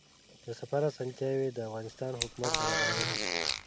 د سفر اسانتیاوې د افغانستان حکومت برابرولې.